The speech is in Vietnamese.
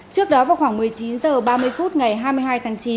trước đó vào khoảng một mươi chín h ba mươi phút ngày hai mươi hai tháng chín